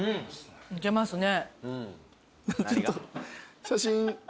いけますね。